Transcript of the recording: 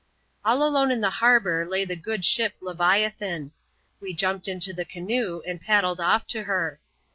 All alone in the harbour lay the good ship Leviathan. We jumped into the canoe, and paddled off to her.